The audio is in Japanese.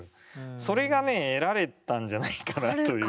それがね得られたんじゃないかなという。